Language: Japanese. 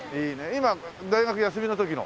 今大学休みの時の。